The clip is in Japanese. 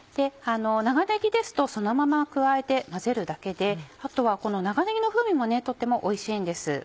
長ねぎですとそのまま加えて混ぜるだけであとはこの長ねぎの風味もとってもおいしいんです。